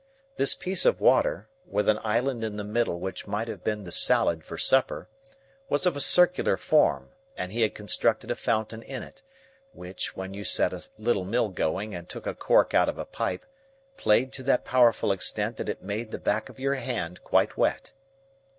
This piece of water (with an island in the middle which might have been the salad for supper) was of a circular form, and he had constructed a fountain in it, which, when you set a little mill going and took a cork out of a pipe, played to that powerful extent that it made the back of your hand quite wet.